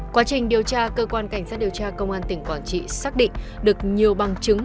quá trình điều tra cơ quan cảnh sát điều tra công an tỉnh quảng trị xác định được nhiều bằng chứng